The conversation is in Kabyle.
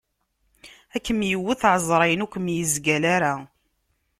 Ad kem-yewwet, ɛezṛayen ur kem-yezgal ara.